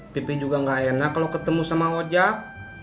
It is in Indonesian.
pipi juga nggak enak kalau ketemu sama ojek